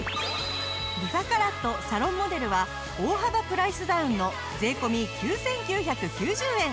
リファカラットサロンモデルは大幅プライスダウンの税込９９９０円。